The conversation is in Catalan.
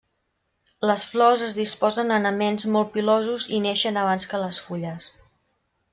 Les flors es disposen en aments molt pilosos i neixen abans que les fulles.